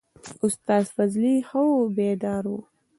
استاد فضلي ښه وو بیداره و.